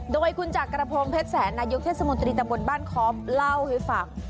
โดยคุณจักรพงศ์เพชรแสนนายกเทศมนตรีตะบนบ้านค้อมเล่าให้ฟัง